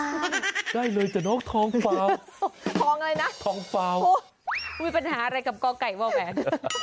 มีปัญหาอะไรกับก็ไก่บอกแหม